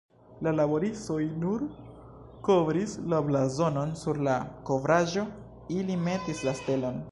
La laboristoj nur kovris la blazonon, sur la kovraĵo ili metis la stelon.